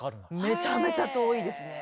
めちゃめちゃ遠いですね。